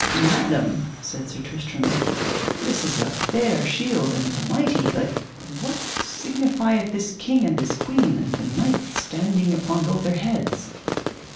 Madam, said Sir Tristram, this is a fair shield and a mighty; but what signifieth this king and this queen, and the knight standing upon both their heads?